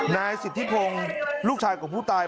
นายสิทธิพงศ์ลูกชายของผู้ตาย